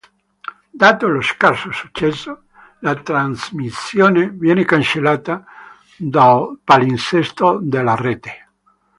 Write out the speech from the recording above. Dato lo scarso successo, la trasmissione viene cancellata dal palinsesto della rete.